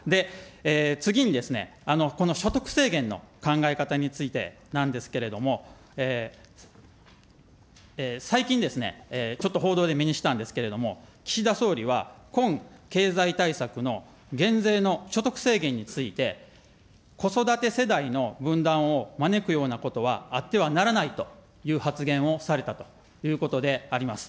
次にですね、この所得制限の考え方についてなんですけれども、最近、ちょっと報道で目にしたんですけれども、岸田総理は今経済対策の減税の所得制限について、子育て世代の分断を招くようなことはあってはならないという発言をされたということであります。